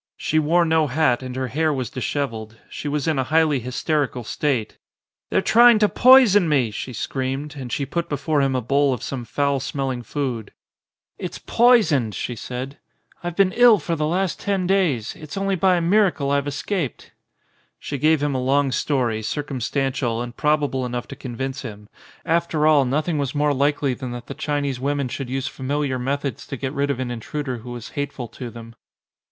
She wore no hat and her hair was dishevelled. She was in a highly hysterical state. "They're trying to poison me," she screamed and she put before him a bowl of some foul smell ing food. "It's poisoned," she said. "I've been ill for the last ten days, it's only by a miracle I've escaped." She gave him a long story, circumstantial and probable enough to convince him: after all nothing was more likely than that the Chinese women should use familiar methods to get rid of an intruder who was hateful to them.